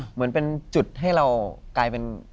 เหมือนเป็นจุดให้เรากลายเป็น